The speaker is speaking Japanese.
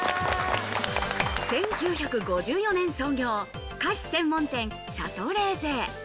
１９５４年創業、菓子専門店シャトレーゼ。